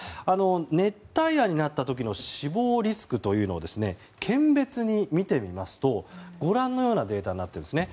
熱帯夜になった時の死亡リスクというのを県別に見てみますとご覧のようなデータになっているんですね。